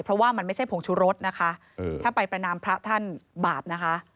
เพราะว่ามันไม่ใช่ผงชุรสนะคะถ้าไปประนามพระท่านบาปนะคะ